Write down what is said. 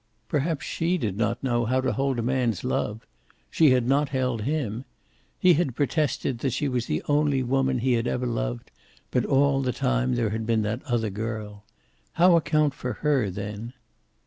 Perhaps she did not know how to hold a man's love. She had not held him. He had protested that she was the only woman he had ever loved, but all the time there had been that other girl. How account for her, then?